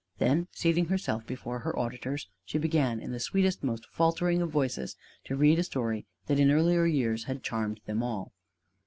Then, seating herself before her auditors, she began in the sweetest, most faltering of voices to read a story that in earlier years had charmed them all.